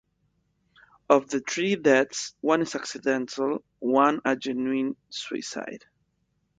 Of the three deaths, one is accidental, one a genuine suicide.